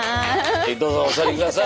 どうぞお座り下さい。